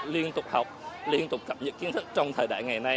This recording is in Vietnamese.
liên tục học liên tục cập nhật kiến thức trong thời đại ngày nay